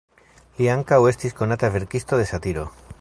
Li ankaŭ estis konata verkisto de satiro.